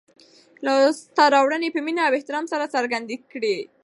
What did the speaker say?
لاسته راوړنې په مینه او احترام سره څرګندې کړئ.